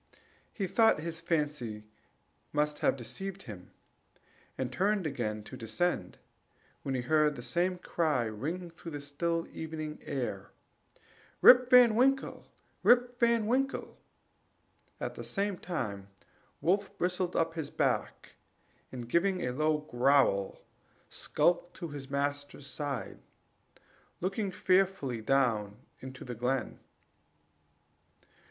He thought his fancy must have deceived him, and turned again to descend, when he heard the same cry ring through the still evening air: "Rip Van Winkle! Rip Van Winkle!" at the same time Wolf bristled up his back, and giving a low growl, skulked to his master's side, looking fearfully down into the glen.